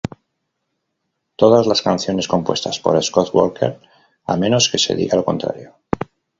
Todas las canciones compuestas por Scott Walker, a menos que se diga lo contrario.